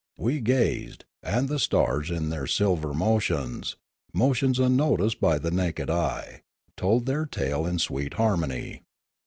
We gazed, and the stars in their silver motions, motions unnoticed by the naked eye, told their tale in sweet harmony.